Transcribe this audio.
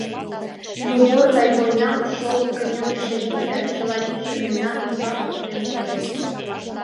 Но вор гай войнам шолып кынелтыше Гитлер чыла вийжым мемнан ӱмбак поктен конден.